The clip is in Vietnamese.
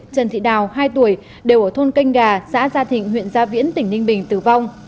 trần thị đào hai tuổi đều ở thôn canh gà xã gia thịnh huyện gia viễn tỉnh ninh bình tử vong